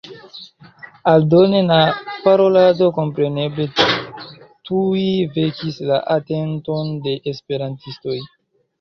Aldone la parolado kompreneble tuj vekis la atenton de esperantistoj.